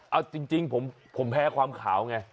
เอาจริงผมแพ้ความขาวไง